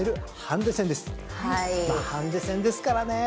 ハンデ戦ですからねえ。